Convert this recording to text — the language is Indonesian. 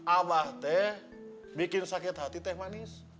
abah te bikin sakit hati te manis